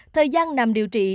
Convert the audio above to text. thời gian nằm điều trị